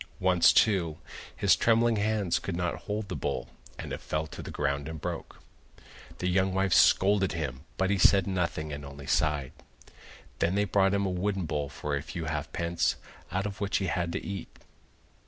Once, too, his trembling hands could not hold the bowl, and it fell to the ground and broke. The young wife scolded him, but he said nothing and only sighed. Then they brought him a wooden bowl for a few half pence, out of which he had to eat.